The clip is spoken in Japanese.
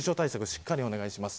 しっかりお願いします。